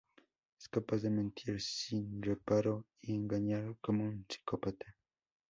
Es capaz de mentir sin reparo y engañar como un psicópata.